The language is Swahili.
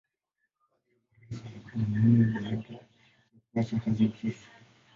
Baadhi ya marais wamekuwa muhimu baada ya kuacha kazi ofisi.